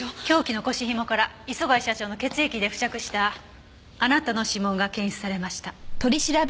凶器の腰紐から磯貝社長の血液で付着したあなたの指紋が検出されました。